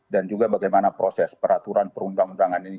dan juga bagaimana proses peraturan perundang undangan ini